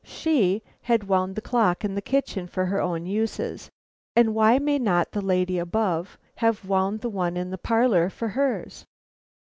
She had wound the clock in the kitchen for her own uses, and why may not the lady above have wound the one in the parlor for hers?